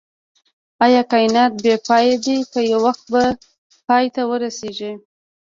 ايا کائنات بی پایه دی که يو وخت به پای ته ورسيږئ